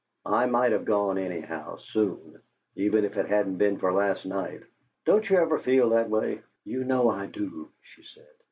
I might have gone, anyhow, soon, even if it hadn't been for last night. Don't you ever feel that way?" "You know I do," she said.